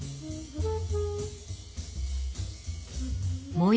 模様